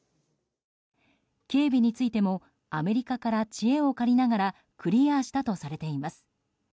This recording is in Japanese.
警備についてもアメリカから知恵を借りながらクリアしたとされています。